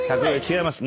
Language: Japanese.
違います。